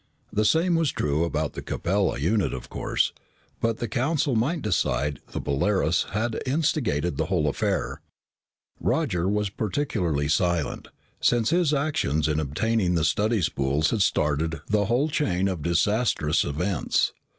The same was true about the Capella unit, of course, but the Council might decide the Polaris had instigated the whole affair. Roger was particularly silent, since his actions in obtaining the study spools had started the whole chain of disastrous events.